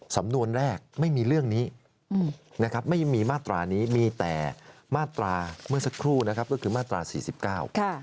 สำนวนแรกไม่มีเรื่องนี้ไม่มีมาตรานี้มีแต่มาตราเมื่อสักครู่ก็คือมาตรา๔๙